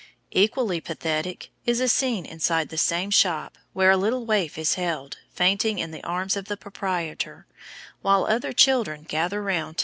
Equally pathetic is a scene inside the same shop, where a little waif is held, fainting, in the arms of the proprietor, while other children gather round to see.